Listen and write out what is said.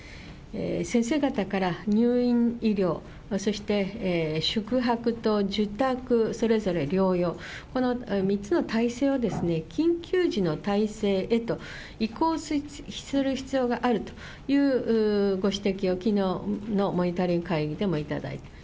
先生方から、入院医療、そして宿泊と受託それぞれ療養、この３つの体制を緊急時の体制へと移行する必要があるというご指摘をきのうのモニタリング会議でも頂いた。